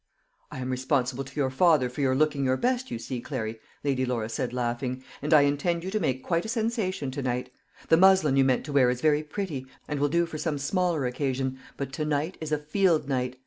"I am responsible to your father for your looking your best, you see, Clary," Lady Laura said, laughing; "and I intend you to make quite a sensation to night. The muslin you meant to wear is very pretty, and will do for some smaller occasion; but to night is a field night.